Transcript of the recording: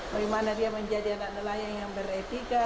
bagaimana dia menjadi anak nelayan yang beretika